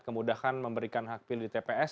kemudahan memberikan hak pilih di tps